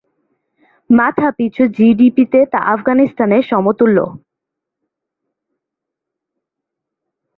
মাথাপিছু জিডিপি-তে তা আফগানিস্তানের সমতুল্য।